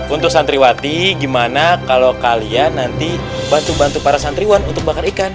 untuk santriwati gimana kalau kalian nanti bantu bantu para santriwan untuk bakar ikan